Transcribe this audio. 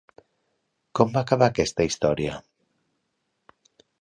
Com va acabar aquesta història?